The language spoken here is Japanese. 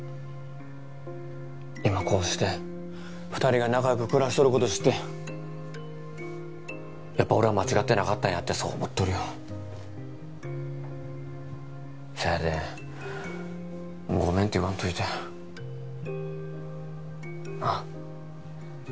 今こうして二人が仲よく暮らしとること知ってやっぱ俺は間違ってなかったんやってそう思っとるよそやでもうごめんって言わんといてなあ？